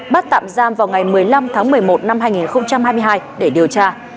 bắt tạm giam vào ngày một mươi năm tháng một mươi một năm hai nghìn hai mươi hai để điều tra